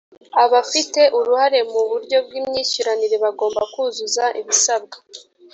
abafite uruhare mu buryo bw’imyishyuranire bagomba kuzuza ibisabwa